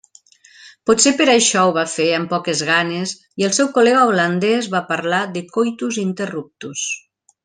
Potser per això ho va fer amb poques ganes i el seu col·lega holandès va parlar de “coitus interruptus”.